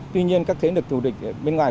tuy nhiên các thế lực thù địch bên ngoài